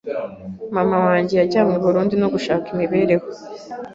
mama wanjye yajyanywe i Burundi no gushaka imibereho